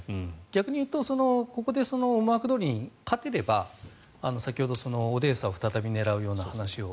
逆に言うとここで思惑どおりに勝てれば先ほどオデーサを再び狙うような話を。